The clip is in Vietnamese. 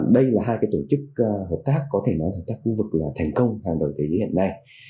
đây là hai tổ chức hợp tác có thể nói là thành công hàng đời thế giới hiện nay